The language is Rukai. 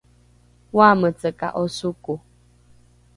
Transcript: oameceka’o soko?